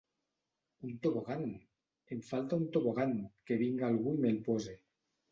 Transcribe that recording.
Un tobogan! Em falta un tobogan! Que vinga algú i me'l pose!